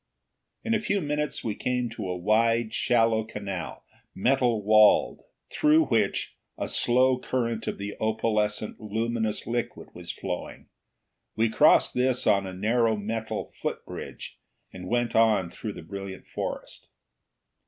In a few minutes we came to a wide, shallow canal, metal walled, through which a slow current of the opalescent, luminous liquid was flowing. We crossed this on a narrow metal foot bridge, and went on through the brilliant forest.